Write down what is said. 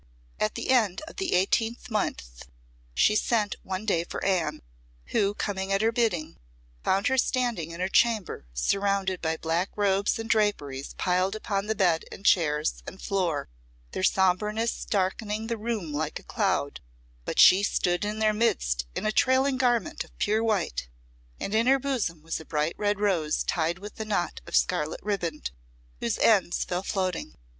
At the end of the eighteenth month she sent one day for Anne, who, coming at her bidding, found her standing in her chamber surrounded by black robes and draperies piled upon the bed, and chairs, and floor, their sombreness darkening the room like a cloud; but she stood in their midst in a trailing garment of pure white, and in her bosom was a bright red rose tied with a knot of scarlet ribband, whose ends fell floating.